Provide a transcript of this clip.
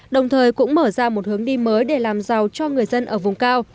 đồng thời cũng mở ra một hướng đi mới để làm giàu cho người dân ở vùng cao